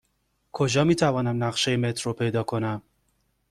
کجا می توانم نقشه مترو پیدا کنم؟